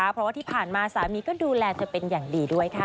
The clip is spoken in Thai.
เพราะว่าที่ผ่านมาสามีก็ดูแลเธอเป็นอย่างดีด้วยค่ะ